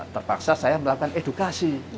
terpaksa saya melakukan edukasi